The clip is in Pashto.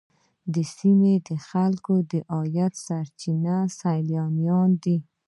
د سیمې د خلکو د عاید سرچینه سیلانیان دي.